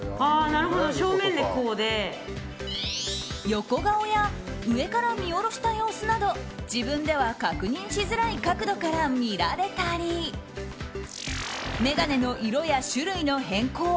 横顔や上から見下ろした様子など自分では確認しづらい角度から見られたり眼鏡の色や種類の変更